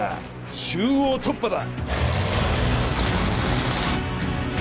中央突破だ！